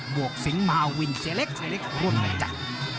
บวกสิงหมาวินเซล็กรวมจาก